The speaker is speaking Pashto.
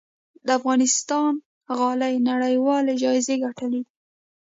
د افغانستان غالۍ نړیوال جایزې ګټلي دي